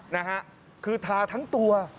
นะฮะคือทาทั้งตัว